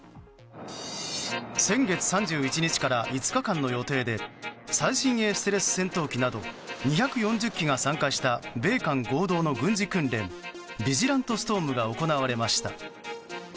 先月３１日から５日間の予定で最新鋭ステルス戦闘機など２４０機が参加した米韓合同の軍事訓練ビジラント・ストームが行われました。